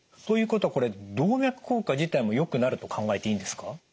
ということはこれ動脈硬化自体もよくなると考えていいんですか？